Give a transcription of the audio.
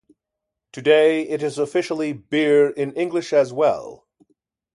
Today, it is officially "birr" in English as well.